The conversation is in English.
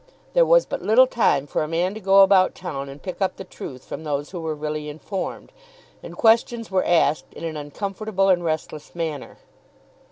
There was but little time for a man to go about town and pick up the truth from those who were really informed; and questions were asked in an uncomfortable and restless manner.